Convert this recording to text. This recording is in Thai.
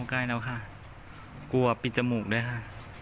กลัวปิดจมูกด้วยค่ะ